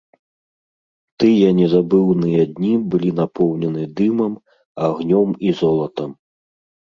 Тыя незабыўныя дні былі напоўнены дымам, агнём і золатам.